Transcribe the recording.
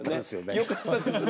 よかったですね。